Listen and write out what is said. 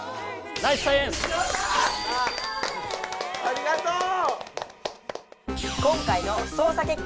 ありがとう！